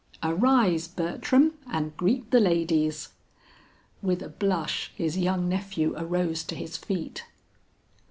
Arise, Bertram, and greet the ladies." With a blush his young nephew arose to his feet.